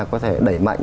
có thể đẩy mạnh